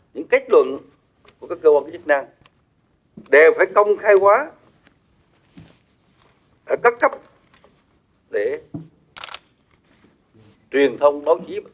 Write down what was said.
những kết luận của các cơ quan chức năng đều phải công khai quá ở các cấp để truyền thông báo chí